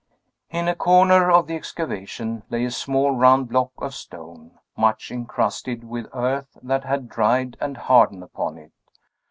In a corner of the excavation lay a small round block of stone, much incrusted with earth that had dried and hardened upon it.